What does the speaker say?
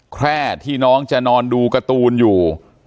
แค่ที่น้องจะนอนดูการ์ตูนอยู่